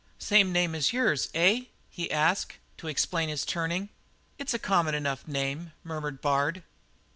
"Same name as yours, eh?" he asked, to explain his turning. "It's a common enough name," murmured Bard.